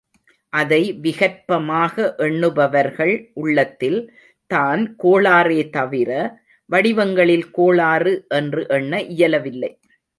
அதை விகற்பமாக எண்ணுபவர்கள் உள்ளத்தில் தான் கோளாறே தவிர வடிவங்களில் கோளாறு என்று எண்ண இயலவில்லை.